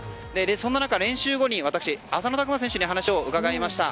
そんな中、練習後に浅野拓磨選手に話を伺いました。